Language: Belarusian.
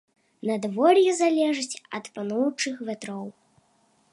Надвор'е залежыць ад пануючых вятроў.